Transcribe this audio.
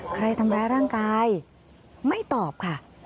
ทำร้ายร่างกายไม่ตอบค่ะ